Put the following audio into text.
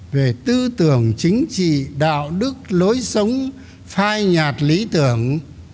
về tư tưởng chính trị đạo đức lối sống phai nhạt lý tưởng